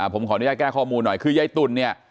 ผมขออนุญาตแก้ข้อมูลหน่อยคือยายตุ๋นเนี่ย